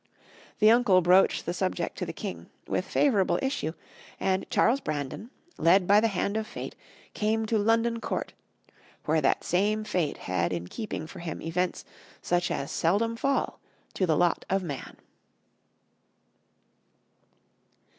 The uncle broached the subject to the king, with favorable issue, and Charles Brandon, led by the hand of fate, came to London Court, where that same fate had in keeping for him events such as seldom fall to the lot of man.